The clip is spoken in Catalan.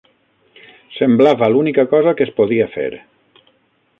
Semblava l'única cosa que es podia fer.